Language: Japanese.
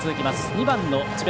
２番の智弁